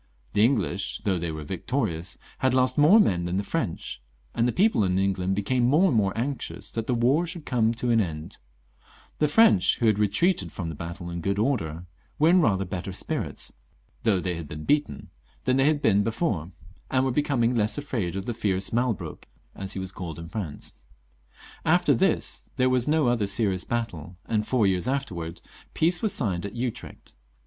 The English, though they were victorious, had lost more men than the XLV.] LOUIS XIV. 369 French, and people in England became more and more anxious that the war should come to an end* The French, who had retreated from the battle in good order, were in rather bet^ter spirits, though they had been beaten, than they had been before, and were becoming less afraid of the " fierce Malbrook," as he was called in France. After tjiis there was no other serious battle, and four years afterwards peace was* signed at Utrecht.